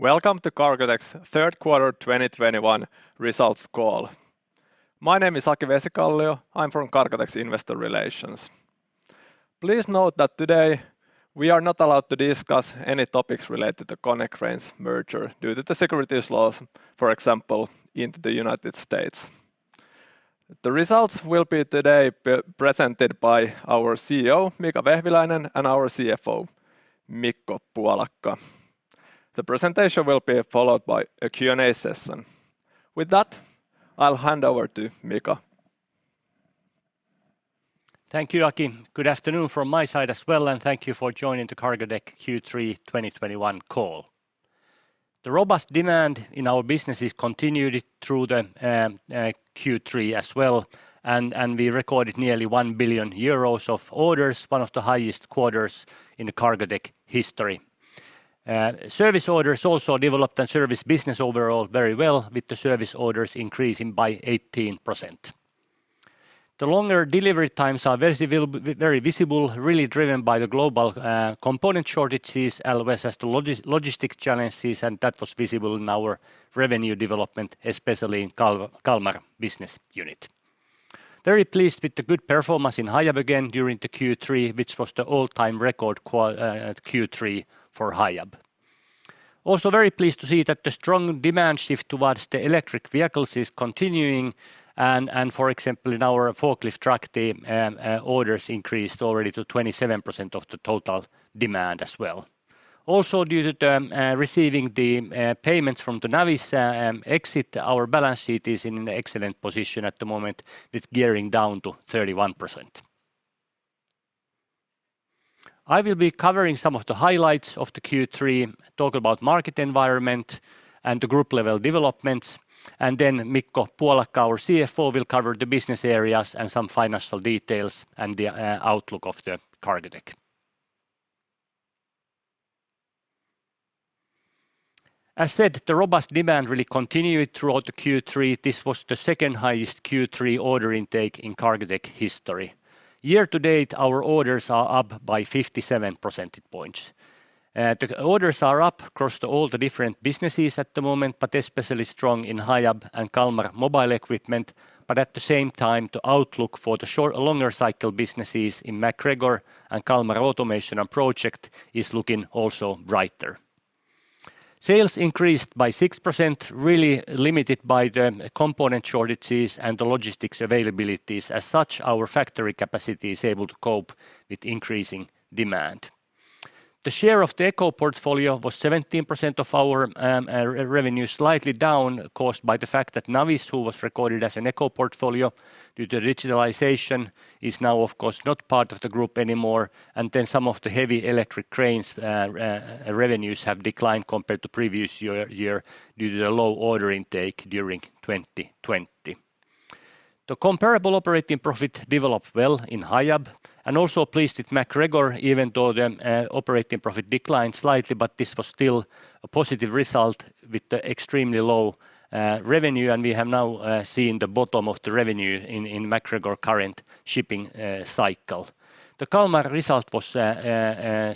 Welcome to Cargotec's third quarter 2021 results call. My name is Aki Vesikallio. I'm from Cargotec's Investor Relations. Please note that today we are not allowed to discuss any topics related to Konecranes merger due to the securities laws, for example, in the United States. The results will be presented today by our CEO, Mika Vehviläinen, and our CFO, Mikko Puolakka. The presentation will be followed by a Q&A session. With that, I'll hand over to Mika. Thank you, Aki. Good afternoon from my side as well, and thank you for joining the Cargotec Q3 2021 call. The robust demand in our businesses continued through the Q3 as well, and we recorded nearly 1 billion euros of orders, one of the highest quarters in the Cargotec history. Service orders also developed the service business overall very well, with the service orders increasing by 18%. The longer delivery times are very visible, really driven by the global component shortages as well as the logistic challenges, and that was visible in our revenue development, especially in Kalmar business unit. Very pleased with the good performance in Hiab again during the Q3, which was the all-time record at Q3 for Hiab. Also very pleased to see that the strong demand shift towards the electric vehicles is continuing and for example, in our forklift truck, orders increased already to 27% of the total demand as well. Also, due to receiving the payments from the Navistar exit, our balance sheet is in an excellent position at the moment, with gearing down to 31%. I will be covering some of the highlights of the Q3, talk about market environment and the group-level developments, and then Mikko Puolakka, our CFO, will cover the business areas and some financial details and the outlook of the Cargotec. As said, the robust demand really continued throughout the Q3. This was the second highest Q3 order intake in Cargotec history. Year to date, our orders are up by 57 percentage points. The orders are up across all the different businesses at the moment, but especially strong in Hiab and Kalmar mobile equipment, but at the same time, the outlook for the longer cycle businesses in MacGregor and Kalmar automation and project is looking also brighter. Sales increased by 6%, really limited by the component shortages and the logistics availabilities. As such, our factory capacity is able to cope with increasing demand. The share of the eco portfolio was 17% of our revenue, slightly down, caused by the fact that Navistar, who was recorded as an eco portfolio due to digitalization, is now of course not part of the group anymore. Some of the heavy electric cranes revenues have declined compared to previous year due to the low order intake during 2020. The comparable operating profit developed well in Hiab, and also pleased with MacGregor, even though the operating profit declined slightly, but this was still a positive result with the extremely low revenue, and we have now seen the bottom of the revenue in MacGregor current shipping cycle. The Kalmar result was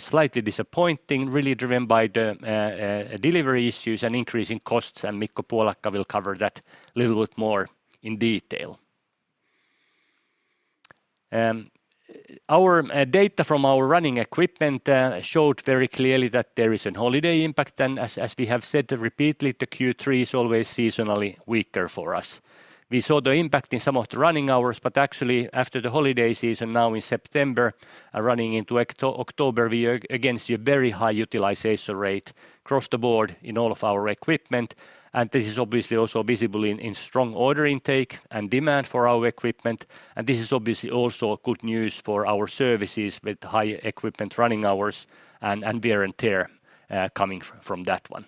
slightly disappointing, really driven by the delivery issues and increasing costs, and Mikko Puolakka will cover that little bit more in detail. Our data from our running equipment showed very clearly that there is a holiday impact, and as we have said repeatedly, the Q3 is always seasonally weaker for us. We saw the impact in some of the running hours, but actually after the holiday season now in September, running into October, we are against a very high utilization rate across the board in all of our equipment. This is obviously also visible in strong order intake and demand for our equipment. This is obviously also good news for our services with high equipment running hours and wear and tear coming from that one.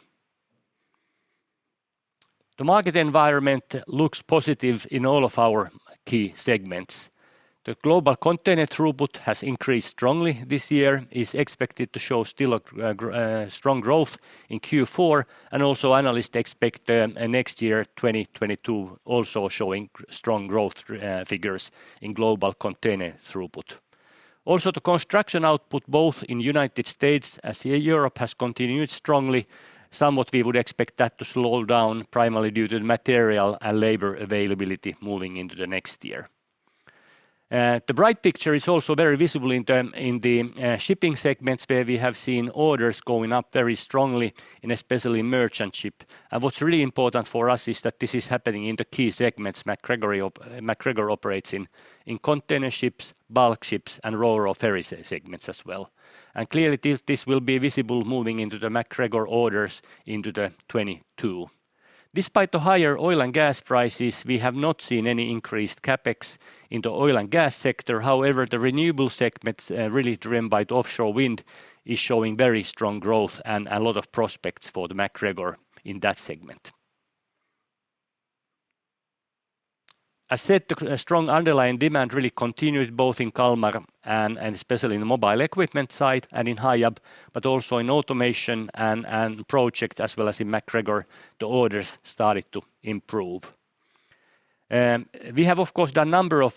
The market environment looks positive in all of our key segments. The global container throughput has increased strongly this year, is expected to show still a strong growth in Q4, and also analysts expect next year, 2022, also showing strong growth figures in global container throughput. Also, the construction output, both in the United States and Europe, has continued strongly. Somewhat, we would expect that to slow down primarily due to material and labor availability moving into the next year. The bright picture is also very visible in the shipping segments, where we have seen orders going up very strongly and especially in merchant ship. What's really important for us is that this is happening in the key segments MacGregor operates in container ships, bulk ships, and ro-ro ferry segments as well. Clearly this will be visible moving into the MacGregor orders into 2022. Despite the higher oil and gas prices, we have not seen any increased CapEx in the oil and gas sector. However, the renewable segment, really driven by the offshore wind, is showing very strong growth and a lot of prospects for the MacGregor in that segment. As said, the strong underlying demand really continued both in Kalmar and especially in the mobile equipment side and in Hiab, but also in automation and project as well as in MacGregor. The orders started to improve. We have of course done number of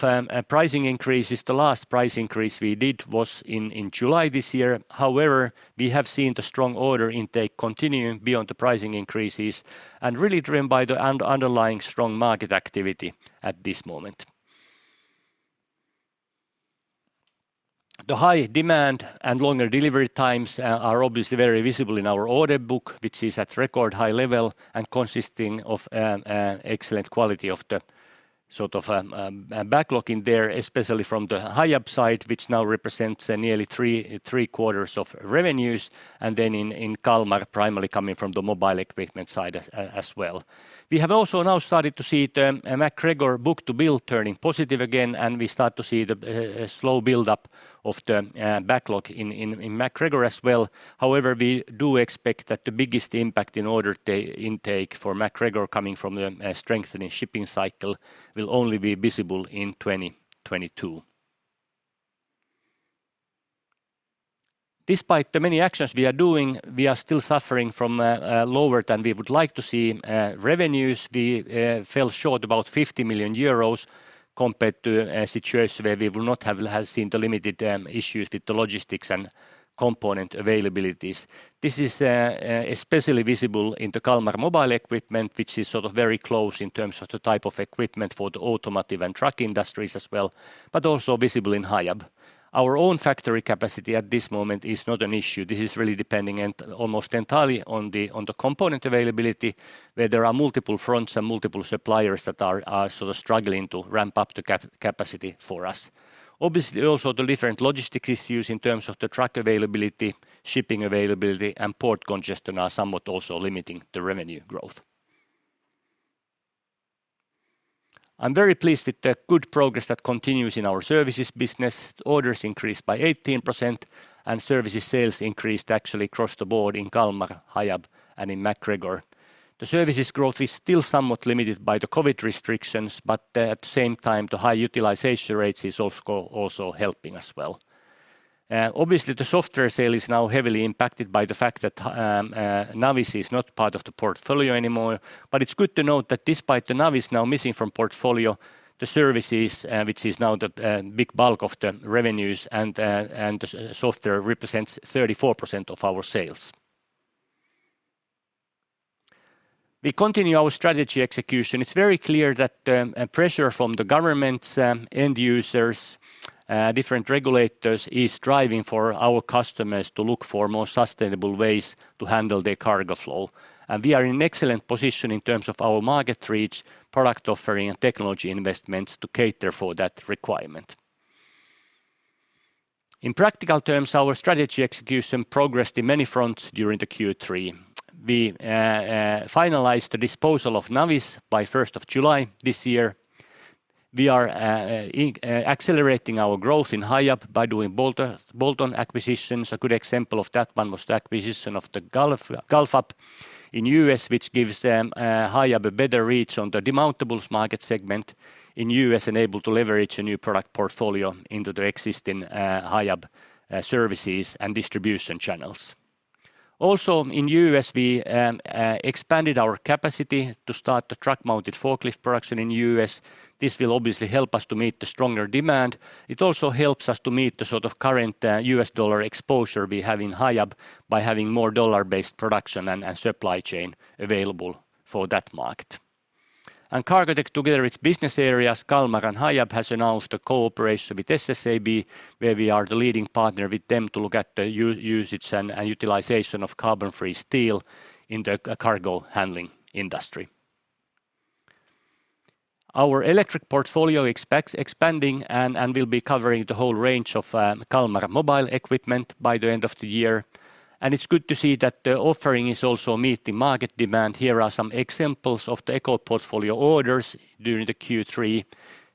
pricing increases. The last price increase we did was in July this year. However, we have seen the strong order intake continuing beyond the pricing increases and really driven by the underlying strong market activity at this moment. The high demand and longer delivery times are obviously very visible in our order book, which is at record high level and consisting of excellent quality of the sort of backlog in there, especially from the Hiab side, which now represents nearly three-quarters of revenues, and then in Kalmar, primarily coming from the mobile equipment side as well. We have also now started to see the MacGregor book-to-bill turning positive again, and we start to see the slow build-up of the backlog in MacGregor as well. However, we do expect that the biggest impact in order intake for MacGregor coming from the strengthening shipping cycle will only be visible in 2022. Despite the many actions we are doing, we are still suffering from lower than we would like to see revenues. We fell short about 50 million euros compared to a situation where we would not have seen the limited issues with the logistics and component availabilities. This is especially visible in the Kalmar mobile equipment, which is sort of very close in terms of the type of equipment for the automotive and truck industries as well, but also visible in Hiab. Our own factory capacity at this moment is not an issue. This is really depending and almost entirely on the component availability, where there are multiple fronts and multiple suppliers that are sort of struggling to ramp up the capacity for us. Obviously, also, the different logistics issues in terms of the truck availability, shipping availability, and port congestion are somewhat also limiting the revenue growth. I'm very pleased with the good progress that continues in our services business. Orders increased by 18% and services sales increased actually across the board in Kalmar, Hiab, and in MacGregor. The services growth is still somewhat limited by the COVID restrictions, but at the same time, the high utilization rates is also helping as well. Obviously, the software sale is now heavily impacted by the fact that Navis is not part of the portfolio anymore. But it's good to note that despite the Navis now missing from portfolio, the services, which is now the big bulk of the revenues and the software represents 34% of our sales. We continue our strategy execution. It's very clear that pressure from the government, end users, different regulators is driving for our customers to look for more sustainable ways to handle their cargo flow. We are in excellent position in terms of our market reach, product offering and technology investments to cater for that requirement. In practical terms, our strategy execution progressed on many fronts during the Q3. We finalized the disposal of Navis by 1st of July this year. We are accelerating our growth in Hiab by doing bolt-on acquisitions. A good example of that one was the acquisition of the Galfab in the U.S., which gives Hiab a better reach on the demountables market segment in the U.S. and able to leverage a new product portfolio into the existing Hiab services and distribution channels. Also, in U.S., we expanded our capacity to start the truck-mounted forklift production in U.S. This will obviously help us to meet the stronger demand. It also helps us to meet the sort of current U.S. dollar exposure we have in Hiab by having more dollar-based production and supply chain available for that market. Cargotec, together with business areas, Kalmar and Hiab, has announced a cooperation with SSAB, where we are the leading partner with them to look at the usage and utilization of carbon-free steel in the cargo handling industry. Our electric portfolio expects expanding and will be covering the whole range of Kalmar mobile equipment by the end of the year. It's good to see that the offering is also meeting market demand. Here are some examples of the eco-portfolio orders during the Q3.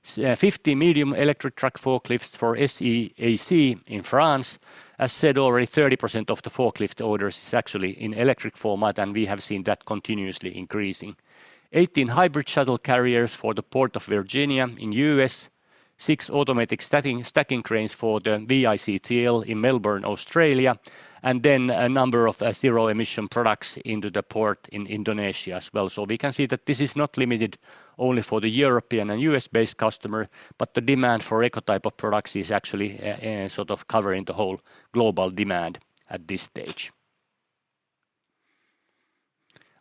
50 medium electric truck forklifts for SEAC in France. As said, already 30% of the forklift orders is actually in electric format, and we have seen that continuously increasing. 18 hybrid shuttle carriers for the Port of Virginia in the U.S., six automatic stacking cranes for the VICT in Melbourne, Australia, and then a number of zero-emission products into the port in Indonesia as well. We can see that this is not limited only for the European and U.S. based customer, but the demand for eco type of products is actually sort of covering the whole global demand at this stage.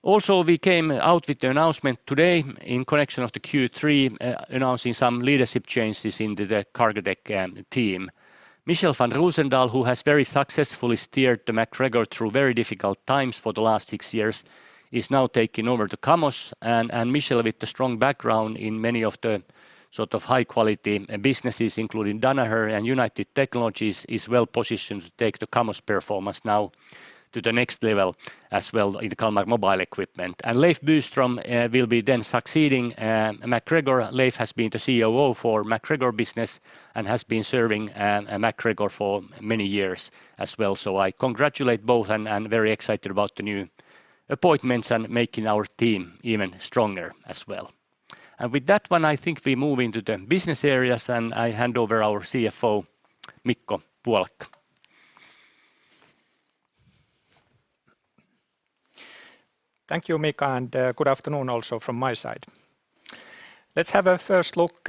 Also, we came out with the announcement today in connection of the Q3, announcing some leadership changes in the Cargotec team. Michel van Roozendaal, who has very successfully steered the MacGregor through very difficult times for the last six years, is now taking over the Kalmar. Michel, with the strong background in many of the sort of high-quality businesses, including Danaher and United Technologies, is well positioned to take the Kalmar performance now to the next level as well in the Kalmar mobile equipment. Leif Byström will be succeeding MacGregor. Leif has been the COO for MacGregor business and has been serving MacGregor for many years as well. I congratulate both and I am very excited about the new appointments and making our team even stronger as well. With that, I think we move into the business areas, and I hand over our CFO, Mikko Puolakka. Thank you, Mika, and good afternoon also from my side. Let's have a first look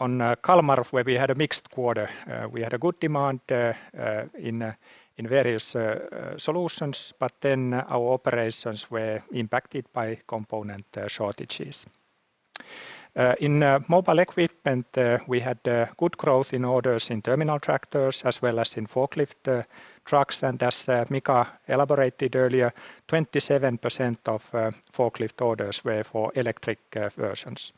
on Kalmar, where we had a mixed quarter. We had a good demand in various solutions, but then our operations were impacted by component shortages. In mobile equipment, we had good growth in orders in terminal tractors as well as in forklift trucks, and as Mika elaborated earlier, 27% of forklift orders were for electric versions.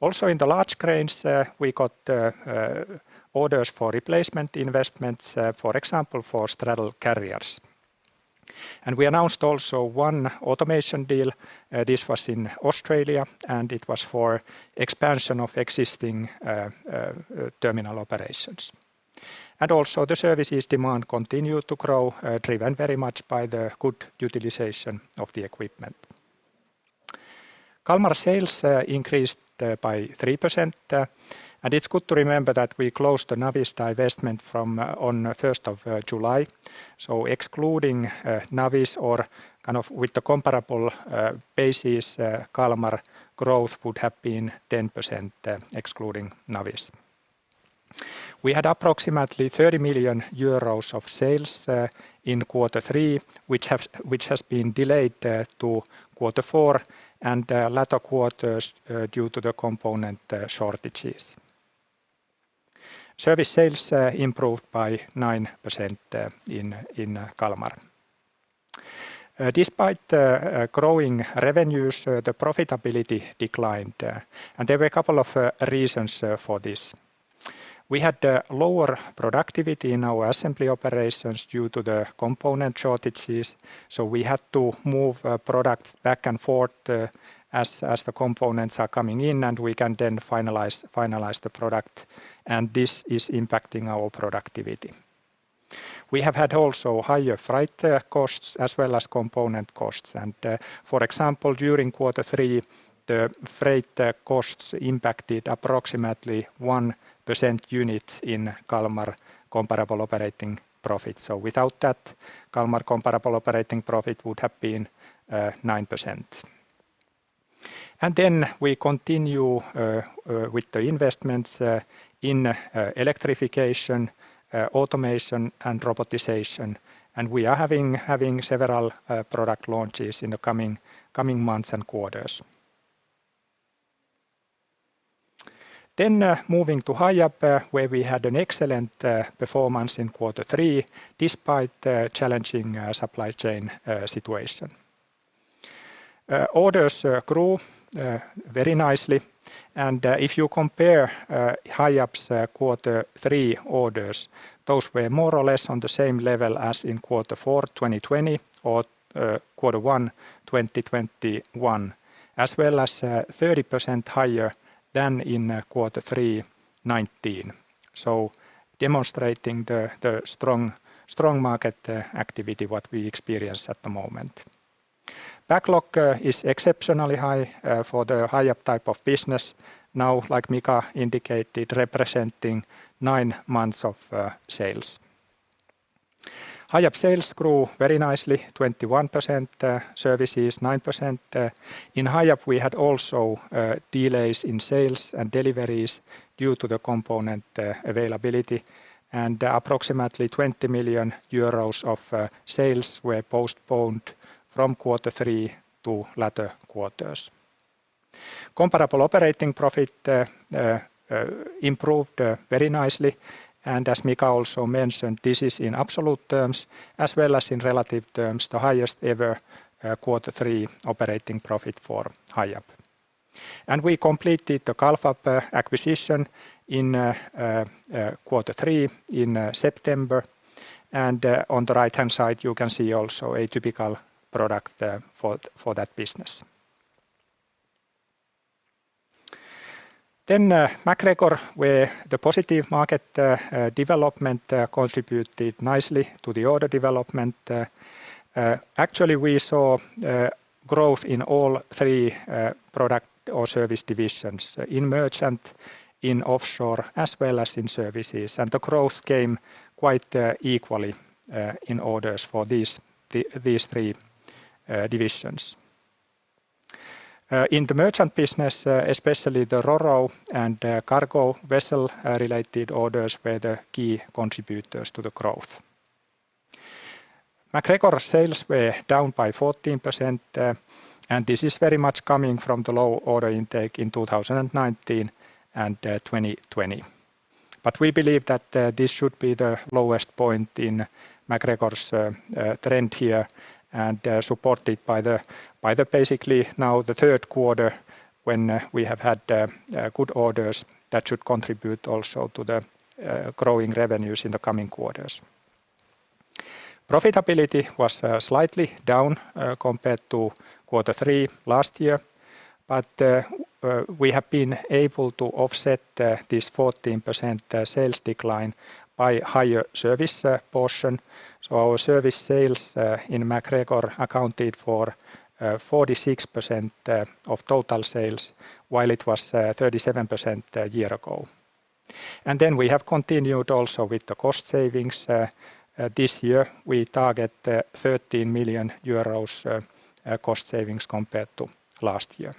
Also, in the large cranes, we got orders for replacement investments, for example, for straddle carriers. We announced also one automation deal. This was in Australia, and it was for expansion of existing terminal operations. Also, the services demand continued to grow, driven very much by the good utilization of the equipment. Kalmar sales increased by 3%, and it's good to remember that we closed the Navis divestment on the first of July. Excluding Navis or kind of with the comparable basis, Kalmar growth would have been 10%, excluding Navis. We had approximately 30 million euros of sales in quarter three, which has been delayed to quarter four and later quarters due to the component shortages. Service sales improved by 9% in Kalmar. Despite growing revenues, the profitability declined, and there were a couple of reasons for this. We had lower productivity in our assembly operations due to the component shortages, so we had to move products back and forth as the components are coming in, and we can then finalize the product, and this is impacting our productivity. We have had also higher freight costs as well as component costs, and for example, during quarter three, the freight costs impacted approximately 1 percentage point in Kalmar comparable operating profit. Without that, Kalmar comparable operating profit would have been 9%. We continue with the investments in electrification, automation, and robotization, and we are having several product launches in the coming months and quarters. Moving to Hiab, where we had an excellent performance in quarter three, despite the challenging supply chain situation. Orders grew very nicely, and if you compare Hiab's quarter three orders, those were more or less on the same level as in quarter four, 2020 or quarter one, 2021, as well as 30% higher than in quarter three, 2019. Demonstrating the strong market activity that we experience at the moment. Backlog is exceptionally high for the Hiab type of business. Now, like Mika indicated, representing nine months of sales. Hiab sales grew very nicely, 21%, services, 9%. In Hiab, we had also delays in sales and deliveries due to the component availability, and approximately 20 million euros of sales were postponed from quarter three to later quarters. Comparable operating profit improved very nicely, and as Mika also mentioned, this is in absolute terms as well as in relative terms, the highest ever quarter three operating profit for Hiab. We completed the Galfab acquisition in quarter three in September, and on the right-hand side, you can see also a typical product for that business. MacGregor, where the positive market development contributed nicely to the order development. Actually, we saw growth in all three product or service divisions, in merchant, in offshore, as well as in services, and the growth came quite equally in orders for these three divisions. In the merchant business, especially the RoRo and cargo vessel related orders were the key contributors to the growth. MacGregor sales were down by 14%, and this is very much coming from the low order intake in 2019 and 2020. We believe that this should be the lowest point in MacGregor's trend here and supported by the basically now the third quarter when we have had good orders that should contribute also to the growing revenues in the coming quarters. Profitability was slightly down compared to quarter three of last year, but we have been able to offset this 14% sales decline by higher service portion. Our service sales in MacGregor accounted for 46% of total sales, while it was 37% a year ago. We have continued also with the cost savings. This year, we target 13 million euros cost savings compared to last year.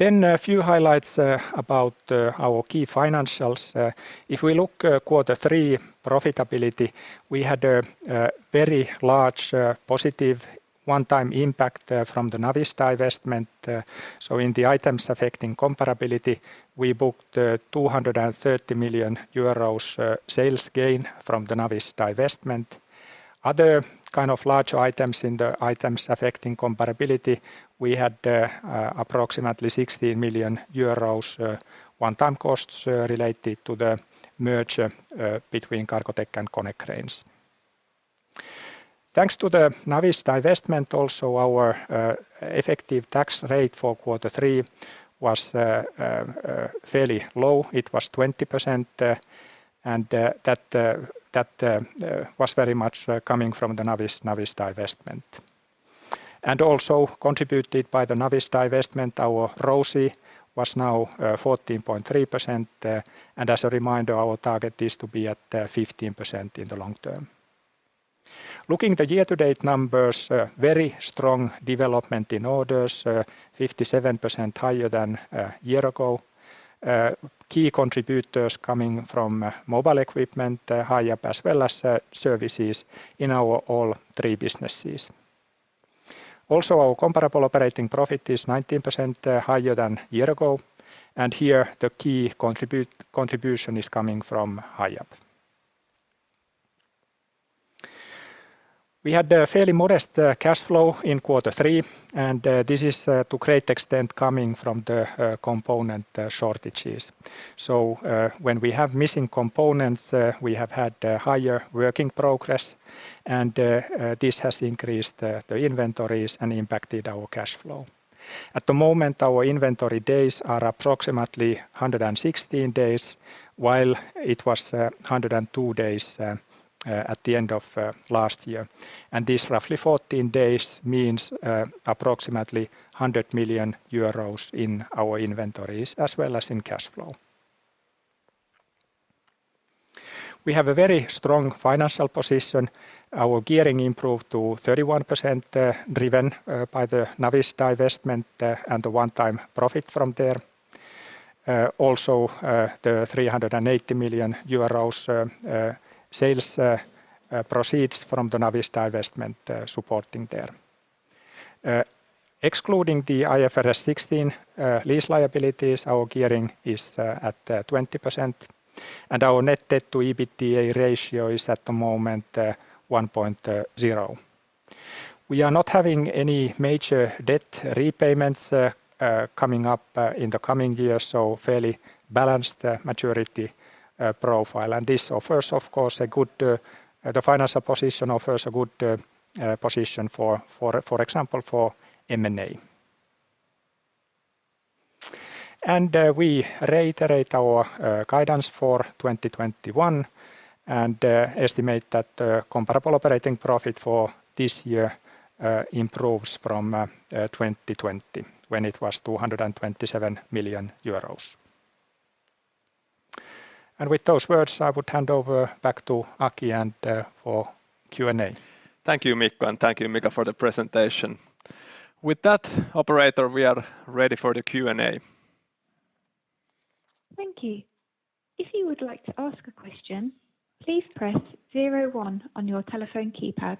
A few highlights about our key financials. If we look at quarter three profitability, we had a very large positive one-time impact from the Navistar investment. In the items affecting comparability, we booked 230 million euros sales gain from the Navistar investment. Other kind of large items in the items affecting comparability, we had approximately 16 million euros one-time costs related to the merger between Cargotec and Konecranes. Thanks to the Navistar investment, also our effective tax rate for quarter three was fairly low. It was 20%, and that was very much coming from the Navistar investment. Also contributed by the Navistar investment, our ROIC was now 14.3%. As a reminder, our target is to be at 15% in the long term. Looking at the year-to-date numbers, very strong development in orders, 57% higher than year ago. Key contributors coming from mobile equipment, Hiab, as well as services in our all three businesses. Also, our comparable operating profit is 19% higher than year ago, and here the key contribution is coming from Hiab. We had a fairly modest cash flow in quarter three, and this is to great extent coming from the component shortages. When we have missing components, we have had higher work in progress, and this has increased the inventories and impacted our cash flow. At the moment, our inventory days are approximately 116 days, while it was 102 days at the end of last year. This roughly 14 days means approximately 100 million euros in our inventories as well as in cash flow. We have a very strong financial position. Our gearing improved to 31%, driven by the Navistar investment and the one-time profit from there. Also, the 380 million euros sales proceeds from the Navistar investment supporting there. Excluding the IFRS 16 lease liabilities, our gearing is at 20%, and our net debt to EBITDA ratio is at the moment 1.0. We are not having any major debt repayments coming up in the coming year, so fairly balanced maturity profile. This offers, of course, a good financial position, for example, for M&A. We reiterate our guidance for 2021 and estimate that comparable operating profit for this year improves from 2020, when it was 227 million euros. With those words, I would hand over back to Aki for Q&A. Thank you, Mikko, and thank you, Mika, for the presentation. With that, operator, we are ready for the Q&A. Thank you. If you would like to ask a question, please press 01 on your telephone keypad.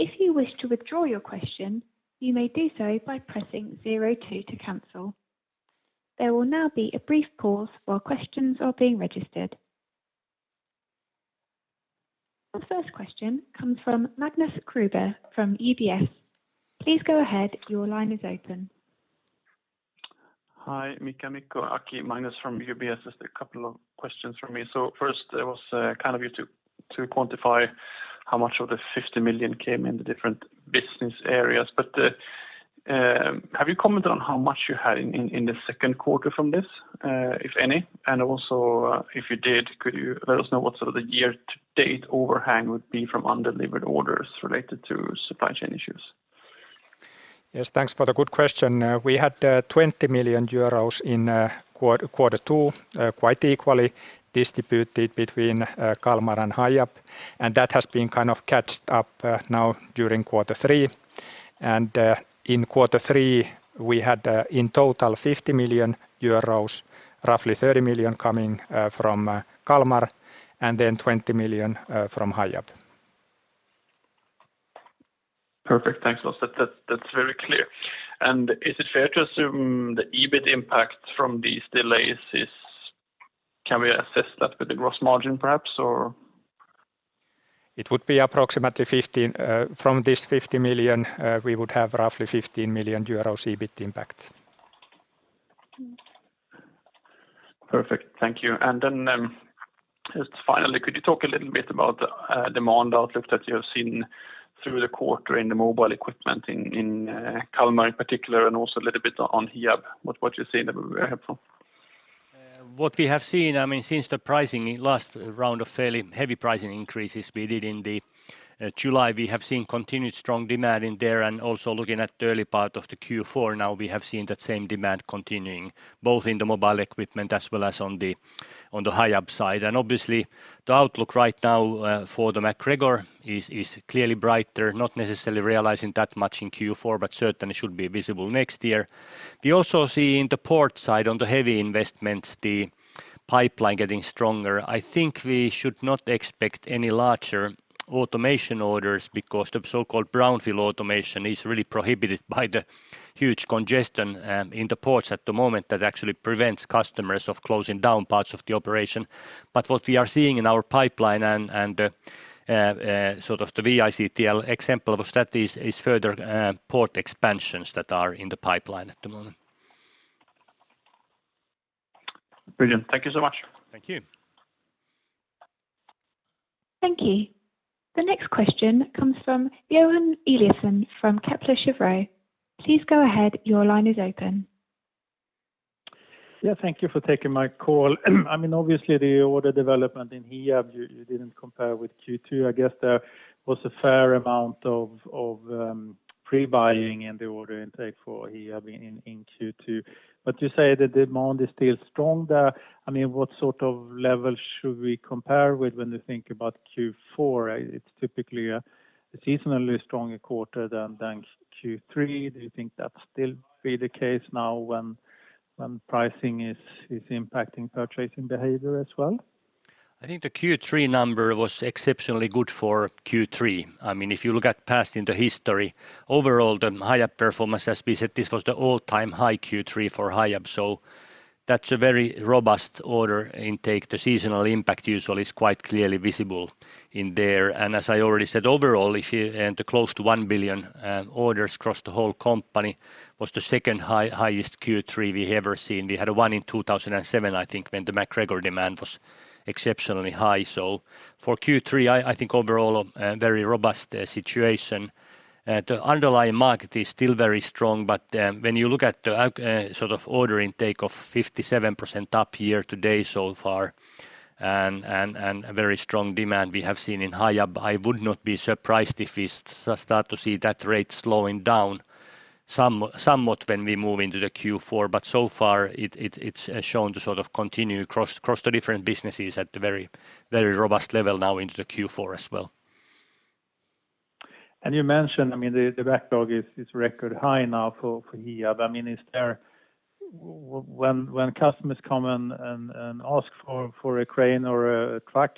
If you wish to withdraw your question, you may do so by pressing zero two to cancel. There will now be a brief pause while questions are being registered. The first question comes from Magnus Kruber from UBS. Please go ahead. Your line is open. Hi, Mika, Mikko, Aki. Magnus from UBS. Just a couple of questions from me. First it was kind of you to quantify how much of the 50 million came in the different business areas. Have you commented on how much you had in the second quarter from this, if any? Also, if you did, could you let us know what sort of the year to date overhang would be from undelivered orders related to supply chain issues? Yes. Thanks for the good question. We had 20 million euros in quarter two, quite equally distributed between Kalmar and Hiab, and that has been kind of caught up now during quarter three. In quarter three, we had in total 50 million euros, roughly 30 million coming from Kalmar, and then 20 million from Hiab. Perfect, thanks. That's very clear. Is it fair to assume the EBIT impact from these delays? Can we assess that with the gross margin perhaps, or? It would be approximately 15 million, from this 50 million, we would have roughly 15 million euros EBIT impact. Perfect, thank you. Just finally, could you talk a little bit about the demand outlook that you have seen through the quarter in the mobile equipment in Kalmar in particular, and also a little bit on Hiab? What you're seeing there would be very helpful? What we have seen, I mean, since the pricing in last round of fairly heavy pricing increases we did in the July, we have seen continued strong demand in there. Also looking at the early part of the Q4 now, we have seen that same demand continuing, both in the mobile equipment as well as on the Hiab side. Obviously, the outlook right now for the MacGregor is clearly brighter, not necessarily realizing that much in Q4, but certainly should be visible next year. We also see in the port side on the heavy investments, the pipeline getting stronger. I think we should not expect any larger automation orders because the so-called brownfield automation is really prohibited by the huge congestion in the ports at the moment that actually prevents customers from closing down parts of the operation. What we are seeing in our pipeline and, sort of, the VICT example of that is further port expansions that are in the pipeline at the moment. Brilliant. Thank you so much. Thank you. Thank you. The next question comes from Johan Eliason from Kepler Cheuvreux. Please go ahead. Your line is open. Yeah, thank you for taking my call. I mean, obviously, the order development in Hiab, you didn't compare with Q2. I guess there was a fair amount of pre-buying in the order intake for Hiab in Q2. You say the demand is still strong there. I mean, what sort of level should we compare with when we think about Q4? It's typically a seasonally stronger quarter than Q3. Do you think that'll still be the case now when pricing is impacting purchasing behavior as well? I think the Q3 number was exceptionally good for Q3. I mean, if you look at past in the history, overall, the Hiab performance, as we said, this was the all-time high Q3 for Hiab. That's a very robust order intake. The seasonal impact usually is quite clearly visible in there. As I already said, overall, if you and the close to 1 billion orders across the whole company was the second highest Q3 we have ever seen. We had one in 2007, I think, when the MacGregor demand was exceptionally high. For Q3, I think overall very robust situation. The underlying market is still very strong. When you look at the sort of order intake of 57% up year to date so far and a very strong demand we have seen in Hiab, I would not be surprised if we start to see that rate slowing down somewhat when we move into Q4. So far, it has shown to sort of continue across the different businesses at the very robust level now into Q4 as well. You mentioned, I mean, the backlog is record high now for Hiab. I mean, when customers come and ask for a crane or a truck,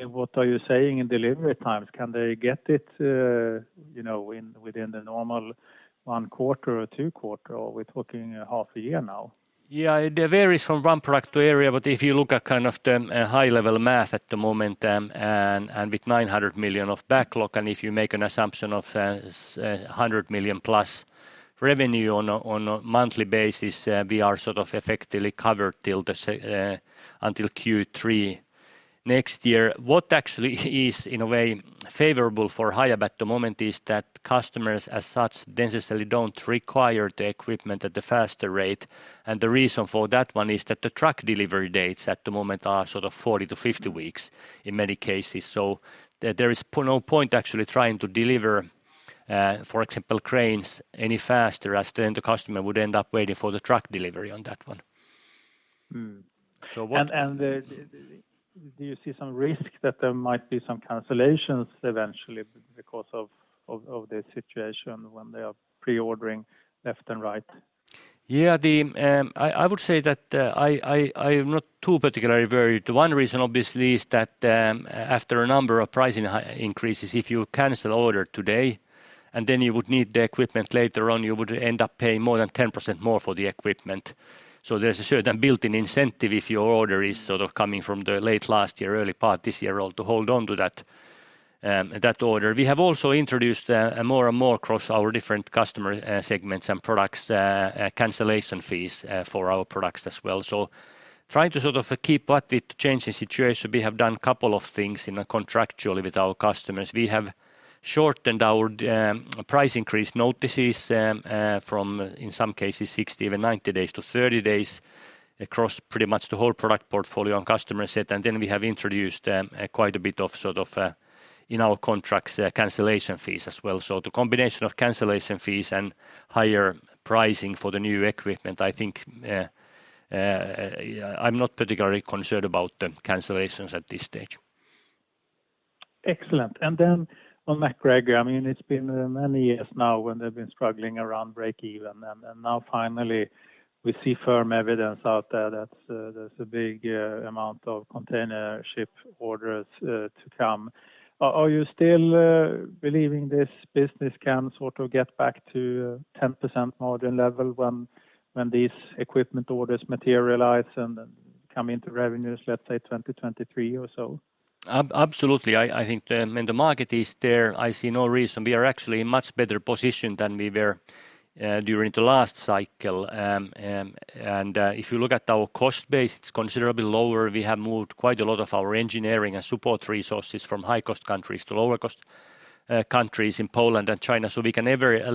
what are you saying in delivery times? Can they get it, you know, within the normal one quarter or two quarter, or we're talking half a year now? Yeah, it varies from one product to area. If you look at kind of the high-level math at the moment, and with 900 million of backlog, and if you make an assumption of 100+ million revenue on a monthly basis, we are sort of effectively covered until Q3 next year. What actually is in a way favorable for Hiab at the moment is that customers as such necessarily don't require the equipment at the faster rate. The reason for that one is that the truck delivery dates at the moment are sort of 40-50 weeks in many cases. There is no point actually trying to deliver, for example, cranes any faster as then the customer would end up waiting for the truck delivery on that one. Do you see some risk that there might be some cancellations eventually because of the situation when they are pre-ordering left and right? Yeah, I would say that I'm not too particularly worried. The one reason obviously is that after a number of pricing increases, if you cancel order today, and then you would need the equipment later on, you would end up paying more than 10% more for the equipment. There's a certain built-in incentive if your order is sort of coming from the late last year, early part this year, or to hold on to that order. We have also introduced more and more across our different customer segments and products cancellation fees for our products as well. Trying to sort of keep up with the changing situation, we have done a couple of things contractually with our customers. We have shortened our price increase notices from, in some cases, 60, even 90 days to 30 days across pretty much the whole product portfolio and customer set. We have introduced quite a bit of cancellation fees in our contracts as well. The combination of cancellation fees and higher pricing for the new equipment, I think, I'm not particularly concerned about the cancellations at this stage. Excellent, and then on MacGregor, I mean, it's been many years now when they've been struggling around break even. Now finally, we see firm evidence out there that there's a big amount of container ship orders to come. Are you still believing this business can sort of get back to 10% margin level when these equipment orders materialize and then coming to revenues, let's say 2023 or so. Absolutely, I think that when the market is there, I see no reason. We are actually in a much better position than we were during the last cycle. If you look at our cost base, it's considerably lower. We have moved quite a lot of our engineering and support resources from high-cost countries to lower-cost countries in Poland and China. We can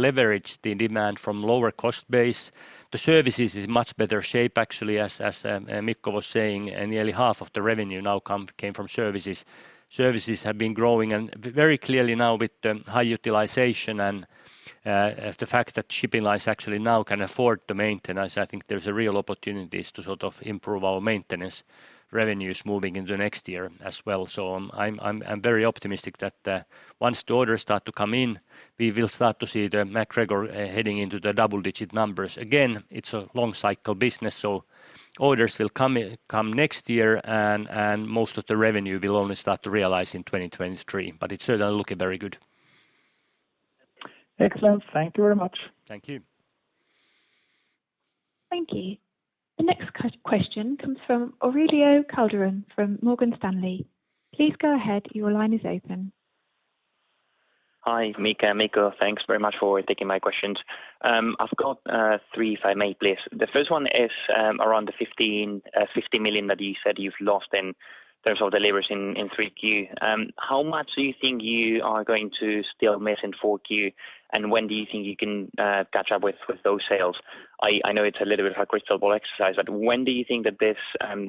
leverage the demand from a lower cost base. The services is in much better shape actually as Mikko was saying, and nearly half of the revenue now came from services. Services have been growing and very clearly now with the high utilization and the fact that shipping lines actually now can afford to maintain us. I think there's a real opportunity to sort of improve our maintenance revenues moving into next year as well. I'm very optimistic that once the orders start to come in, we will start to see the MacGregor heading into the double-digit numbers. It's a long cycle business, so orders will come in next year and most of the revenue will only start to realize in 2023. It's certainly looking very good. Excellent. Thank you very much. Thank you. Thank you. The next question comes from Aurelio Calderon Tejedor from Morgan Stanley. Please go ahead. Your line is open. Hi, Mika, Mikko. Thanks very much for taking my questions. I've got three if I may please. The first one is around the 1,550 million that you said you've lost in terms of deliveries in Q3. How much do you think you are going to still miss in Q4? When do you think you can catch up with those sales? I know it's a little bit of a crystal ball exercise, but when do you think that this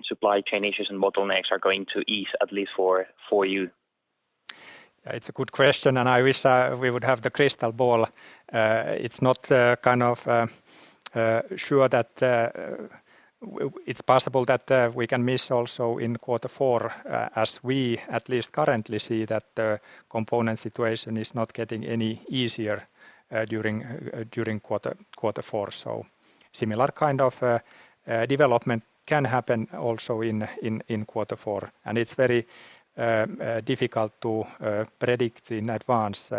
supply chain issues and bottlenecks are going to ease at least for you? It's a good question, and I wish we would have the crystal ball. It's not kind of sure that it's possible that we can miss also in quarter four, as we at least currently see that the component situation is not getting any easier during quarter four. Similar kind of development can happen also in quarter four. It's very difficult to predict in advance,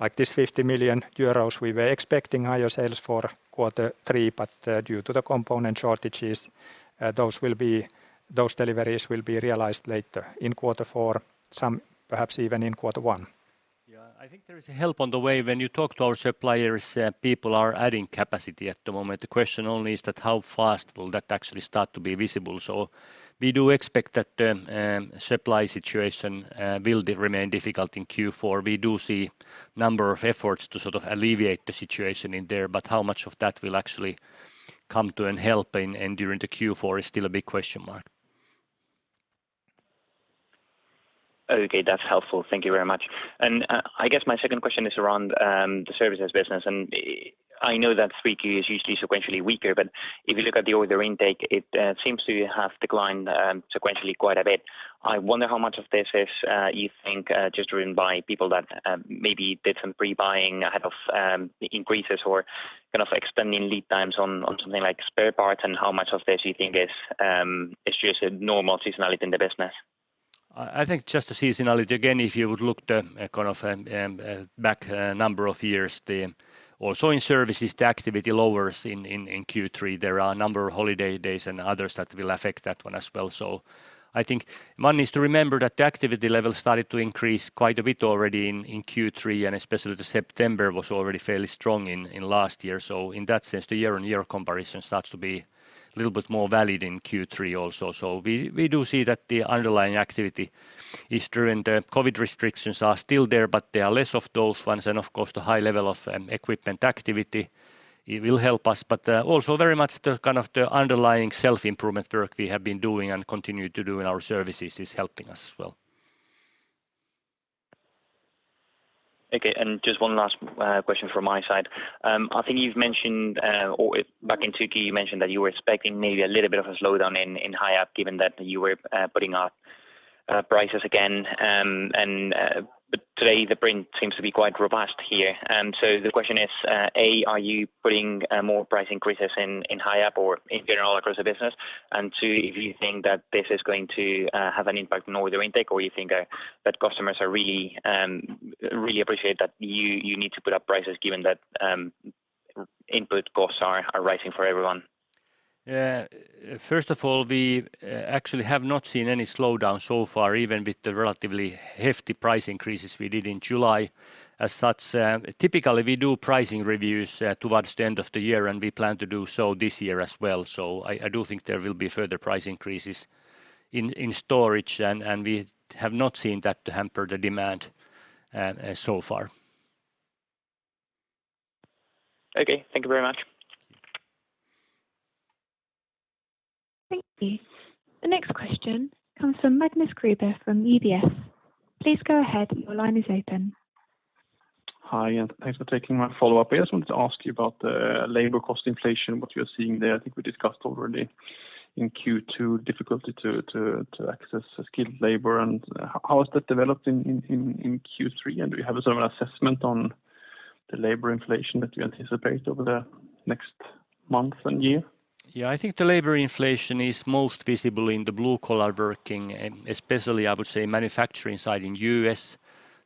like this 50 million euros, we were expecting higher sales for quarter three, but due to the component shortages, those deliveries will be realized later in quarter four, some perhaps even in quarter one. Yeah, I think there is a help on the way. When you talk to our suppliers, people are adding capacity at the moment. The question only is that how fast will that actually start to be visible? We do expect that supply situation will remain difficult in Q4. We do see a number of efforts to sort of alleviate the situation in there, but how much of that will actually come to and help during Q4 is still a big question mark. Okay, that's helpful. Thank you very much. I guess my second question is around the services business. I know that Q3 is usually sequentially weaker, but if you look at the order intake, it seems to have declined sequentially quite a bit. I wonder how much of this is you think just driven by people that maybe did some pre-buying ahead of increases or kind of extending lead times on something like spare parts, and how much of this you think is just a normal seasonality in the business? I think just the seasonality. Again, if you would look, kind of, back a number of years, also in services, the activity lowers in Q3. There are a number of holiday days and others that will affect that one as well. I think one is to remember that the activity level started to increase quite a bit already in Q3, and especially September was already fairly strong in last year. In that sense, the year-on-year comparison starts to be a little bit more valid in Q3 also. We do see that the underlying activity is true, and the COVID restrictions are still there, but there are less of those ones. Of course, the high level of equipment activity it will help us. Also very much the kind of underlying self-improvement work we have been doing and continue to do in our services is helping us as well. Okay, just one last question from my side. I think you've mentioned, or back in 2Q you mentioned that you were expecting maybe a little bit of a slowdown in Hiab, given that you were putting up prices again. Today the print seems to be quite robust here. The question is, A, are you putting more price increases in Hiab or in general across the business? Two, if you think that this is going to have an impact on order intake or you think that customers really appreciate that you need to put up prices given that input costs are rising for everyone. First of all, we actually have not seen any slowdown so far, even with the relatively hefty price increases we did in July. As such, typically, we do pricing reviews towards the end of the year, and we plan to do so this year as well. I do think there will be further price increases in storage, and we have not seen that hamper the demand so far. Okay. Thank you very much. Thank you. The next question comes from Magnus Kruber from UBS. Please go ahead. Your line is open. Hi, and thanks for taking my follow-up. I just wanted to ask you about the labor cost inflation, what you're seeing there. I think we discussed already in Q2 difficulty to access skilled labor and how is that developed in Q3? Do you have a sort of an assessment on the labor inflation that you anticipate over the next month and year? Yeah, I think the labor inflation is most visible in the blue collar working, especially, I would say, manufacturing side in U.S.,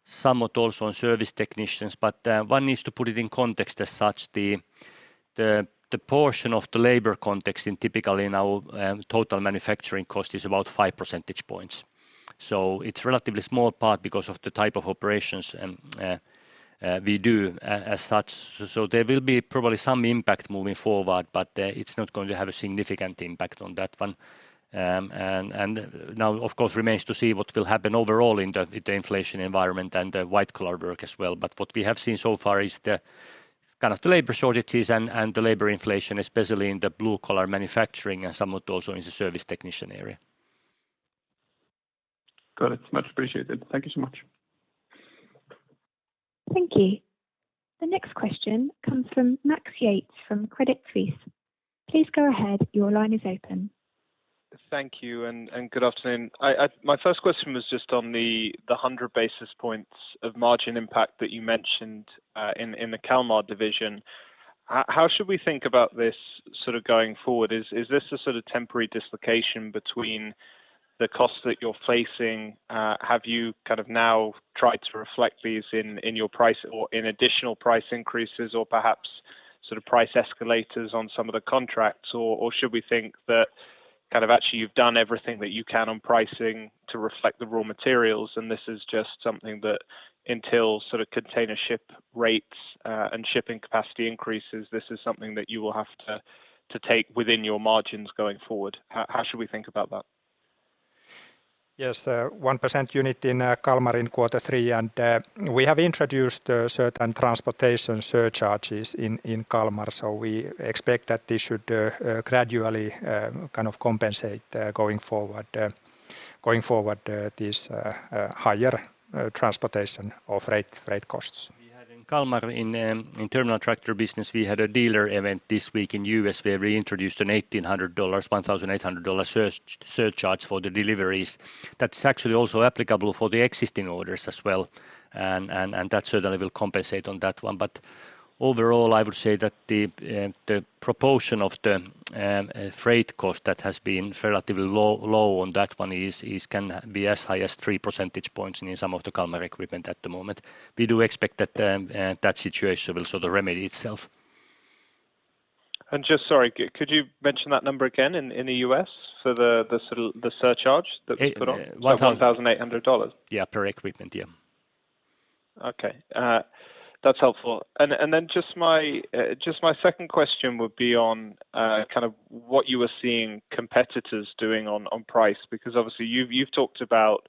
somewhat also on service technicians. One needs to put it in context as such. The portion of the labor cost typically in our total manufacturing cost is about five percentage points. It's relatively small part because of the type of operations, and we do as such. There will be probably some impact moving forward, but it's not going to have a significant impact on that one. Now, of course, remains to see what will happen overall in the inflation environment and the white collar work as well. What we have seen so far is the kind of the labor shortages and the labor inflation, especially in the blue collar manufacturing and somewhat also in the service technician area. Got it. Much appreciated. Thank you so much. Thank you. The next question comes from Max Yates from Credit Suisse. Please go ahead. Your line is open. Thank you and good afternoon. My first question was just on the 100 basis points of margin impact that you mentioned in the Kalmar division. How should we think about this sort of going forward? Is this a sort of temporary dislocation between the costs that you're facing? Have you kind of now tried to reflect these in your price or in additional price increases or perhaps sort of price escalators on some of the contracts? Or should we think that kind of actually you've done everything that you can on pricing to reflect the raw materials, and this is just something that until sort of container ship rates and shipping capacity increases, this is something that you will have to take within your margins going forward. How should we think about that? Yes. 1% unit in Kalmar in quarter three, and we have introduced certain transportation surcharges in Kalmar. We expect that this should gradually kind of compensate going forward these higher transportation of freight costs. We had in Kalmar in terminal tractor business a dealer event this week in U.S. where we introduced an $1,800 surcharge for the deliveries. That's actually also applicable for the existing orders as well. That certainly will compensate on that one. Overall, I would say that the proportion of the freight cost that has been relatively low on that one can be as high as 3 percentage points in some of the Kalmar equipment at the moment. We do expect that situation will sort of remedy itself. Just sorry, could you mention that number again in the U.S.? The sort of surcharge that was put on? $1,800. Yeah, per equipment. Yeah. Okay, that's helpful. Just my second question would be on kind of what you were seeing competitors doing on price. Because obviously you've talked about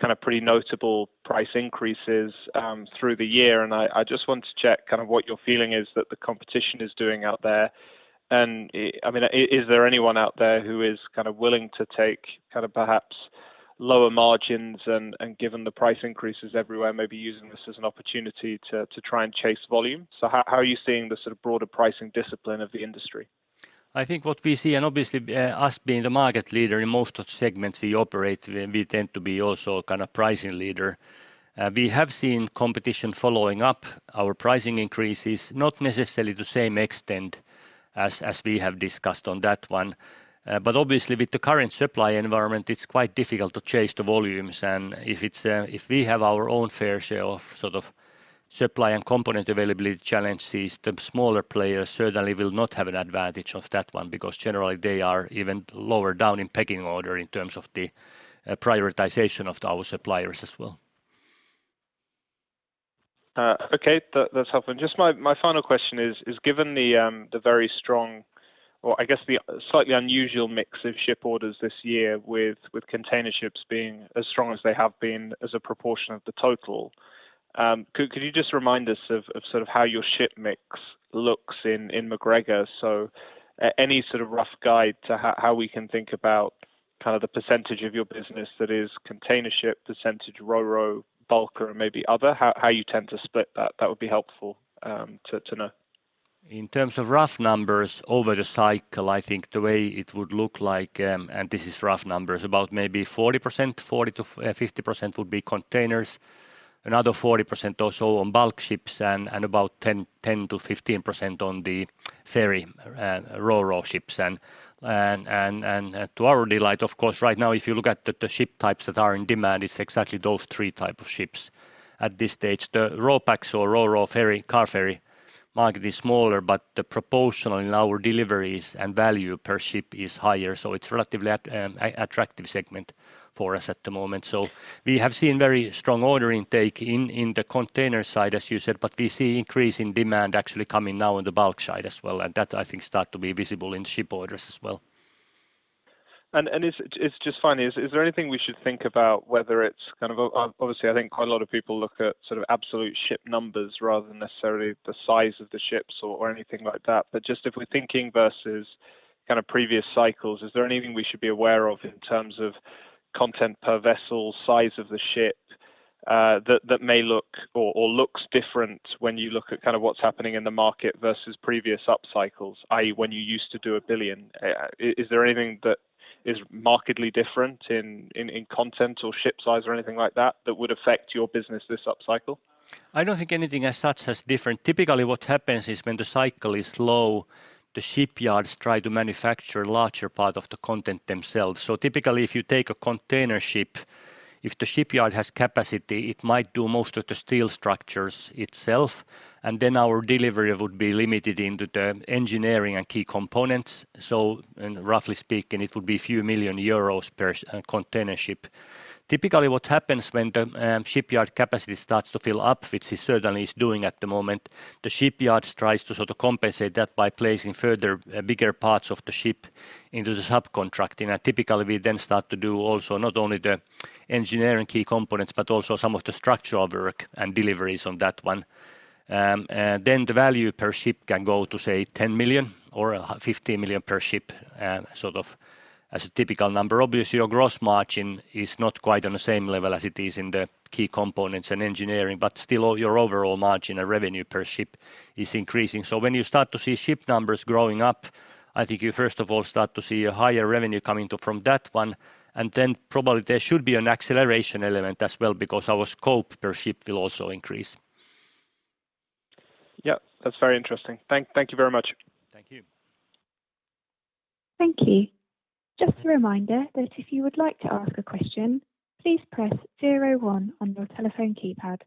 kind of pretty notable price increases through the year, and I just want to check kind of what your feeling is that the competition is doing out there? I mean, is there anyone out there who is kind of willing to take kind of perhaps lower margins and given the price increases everywhere, maybe using this as an opportunity to try and chase volume? How are you seeing the sort of broader pricing discipline of the industry? I think what we see and obviously, us being the market leader in most of the segments we operate, we tend to be also kind of pricing leader. We have seen competition following up our pricing increases, not necessarily the same extent as we have discussed on that one. Obviously, with the current supply environment, it's quite difficult to chase the volumes. If we have our own fair share of sort of supply and component availability challenges, the smaller players certainly will not have an advantage of that one because generally they are even lower down in pecking order in terms of the prioritization of our suppliers as well. Okay, that's helpful. Just my final question is, given the very strong or I guess the slightly unusual mix of ship orders this year with container ships being as strong as they have been as a proportion of the total, could you just remind us of sort of how your ship mix looks in MacGregor? So any sort of rough guide to how we can think about kind of the percentage of your business that is container ship, percentage ro-ro, bulker, and maybe other, how you tend to split that? That would be helpful to know. In terms of rough numbers over the cycle, I think the way it would look like, and this is rough numbers, about maybe 40%, 40%-50% would be containers, another 40% or so on bulk ships and about 10%-15% on the ferry ro-ro ships and to our delight, of course, right now, if you look at the ship types that are in demand, it's exactly those three type of ships at this stage. The RoPax or ro-ro ferry, car ferry market is smaller, but the proportion in our deliveries and value per ship is higher. It's relatively attractive segment for us at the moment. We have seen very strong order intake in the container side, as you said, but we see increase in demand actually coming now on the bulk side as well. That, I think start to be visible in ship orders as well. Just finally, is there anything we should think about whether it's kind of, obviously, I think quite a lot of people look at sort of absolute ship numbers rather than necessarily the size of the ships or anything like that. Just if we're thinking versus kind of previous cycles, is there anything we should be aware of in terms of content per vessel, size of the ship, that may look or looks different when you look at kind of what's happening in the market versus previous up cycles, i.e., when you used to do a billion? Is there anything that is markedly different in content or ship size or anything like that that would affect your business this upcycle? I don't think anything as such is different. Typically, what happens is when the cycle is low. The shipyards try to manufacture larger part of the content themselves. Typically, if you take a container ship, if the shipyard has capacity, it might do most of the steel structures itself, and then our delivery would be limited into the engineering and key components. Roughly speaking, it would be few million euros per container ship. Typically, what happens when the shipyard capacity starts to fill up, which it certainly is doing at the moment, the shipyards tries to sort of compensate that by placing further bigger parts of the ship into the subcontract. Typically, we then start to do also not only the engineering key components but also some of the structural work and deliveries on that one. The value per ship can go to, say, 10 million or 15 million per ship, sort of as a typical number. Obviously, your gross margin is not quite on the same level as it is in the key components and engineering, but still all your overall margin and revenue per ship is increasing. When you start to see ship numbers growing up, I think you first of all start to see a higher revenue coming from that one, and then probably there should be an acceleration element as well because our scope per ship will also increase. Yeah, that's very interesting. Thank you very much. Thank you. Thank you. Just a reminder that if you would like to ask a question, please press zero one on your telephone keypad.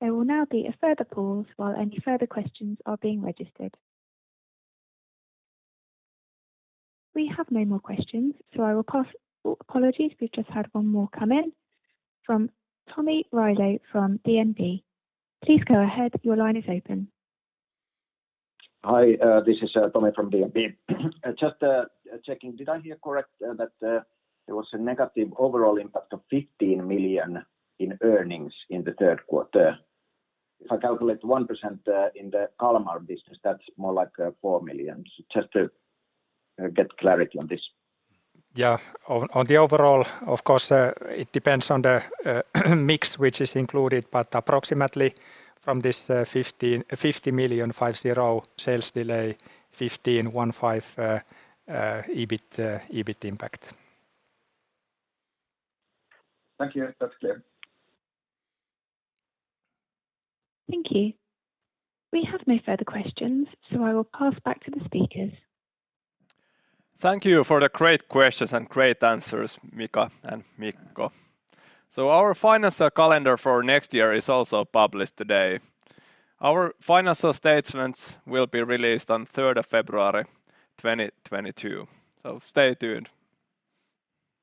There will now be a further pause while any further questions are being registered. We have no more questions, so I will pass. Apologies, we've just had one more come in from Tomi Railo from DNB Markets. Please go ahead. Your line is open. Hi, this is Tomi Railo from DNB. Just checking. Did I hear correct that there was a negative overall impact of 15 million in earnings in the third quarter? If I calculate 1% in the Kalmar business, that's more like 4 million. Just to get clarity on this. Yeah. On the overall, of course, it depends on the mix which is included, but approximately from this 50 million sales delay 15 million, one five EBIT impact. Thank you, that's clear. Thank you. We have no further questions, so I will pass back to the speakers. Thank you for the great questions and great answers, Mika and Mikko. Our financial calendar for next year is also published today. Our financial statements will be released on third of February, 2022. Stay tuned.